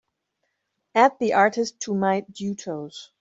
Add the artist to my Duetos.